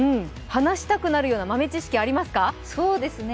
話してくなるような豆知識はありますか。